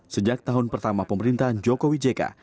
sejak tahun pertama pemerintahan jokowi jk